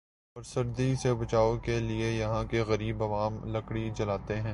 اور سردی سے بچائو کے لئے یہاں کے غریب عوام لکڑی جلاتے ہیں ۔